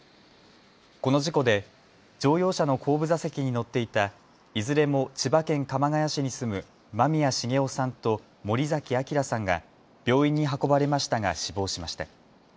この事故で乗用車の後部座席に乗っていたいずれも千葉県鎌ケ谷市に住む間宮重男さんと森崎昭さんが病院に運ばれましたが死亡しました。